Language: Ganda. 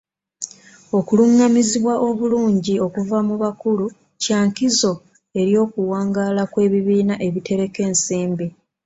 Okulungamizibwa obulungi okuva mu bakulu kya nkizo eri okuwangaala kw'ebibiina ebitereka ensimbi.